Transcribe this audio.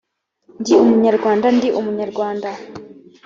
ndi umunyarwanda ndi umunyarwanda